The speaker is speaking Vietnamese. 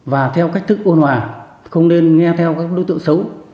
và theo cách thức ôn hòa không nên nghe theo các đối tượng xấu